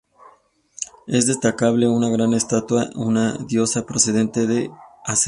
Es destacable una gran estatua de una diosa procedente de Asea.